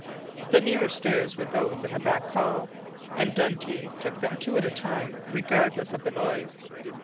The nearer stairs were those in the back hall, and Dundee took them two at a time, regardless of the noise.